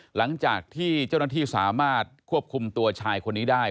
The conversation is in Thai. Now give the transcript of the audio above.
หลังจากที่เจ้าหน้าที่สามารถควบคุมตัวชายคนนี้ได้